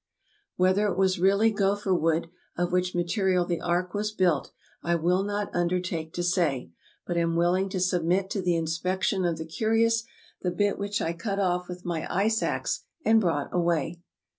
Whether it was really gopher wood, of which ma terial the Ark was built, I will not undertake to say, but am willing to submit to the inspection of the curious the bit which I cut off with my ice ax and brought away.